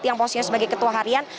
yang posisinya sebagai ketua harian